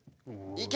いけ！